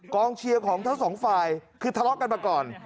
เชียร์ของทั้งสองฝ่ายคือทะเลาะกันมาก่อน